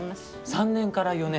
３年から４年？